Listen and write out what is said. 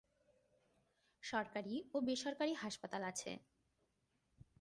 সরকারি ও বেসরকারী হাসপাতাল আছে।